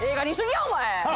お前。